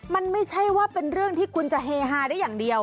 มันไม่ใช่ว่าเป็นเรื่องที่คุณจะเฮฮาได้อย่างเดียว